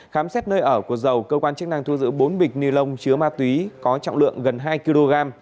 khám xét nơi ở của dầu cơ quan chức năng thu giữ bốn bịch ni lông chứa ma túy có trọng lượng gần hai kg